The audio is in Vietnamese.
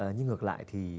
nhưng ngược lại thì